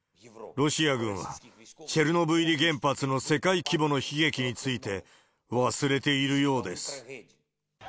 ロシア軍は、チェルノブイリ原発の世界規模の悲劇について忘れているようです。